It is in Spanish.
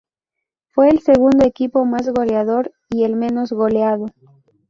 Fue el segundo equipo más goleador y el menos goleado.